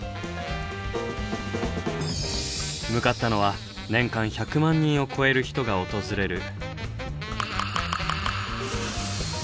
向かったのは年間１００万人を超える人が訪れる。